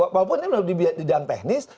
walaupun ini memang di bidang teknis